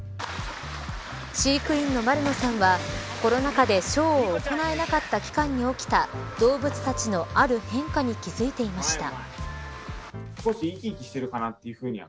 飼育員の丸野さんはコロナ禍でショーを行えなかった期間に起きた動物たちのある変化に気付いていました。